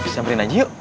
siapkan aja yuk